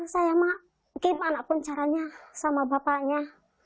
saya mah gimana pun caranya sama bapaknya